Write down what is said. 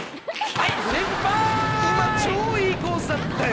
今超いいコースだったよ